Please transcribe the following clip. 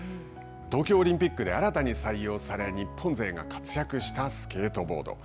東京オリンピックで新たに採用され日本勢が活躍したスケートボード。